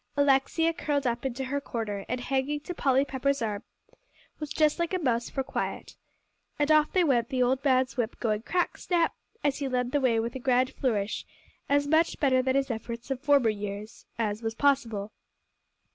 Alexia curled up into her corner, and hanging to Polly Pepper's arm, was just like a mouse for quiet. And off they went; the old man's whip going crack snap! as he led the way with a grand flourish, as much better than his efforts of former years, as was possible!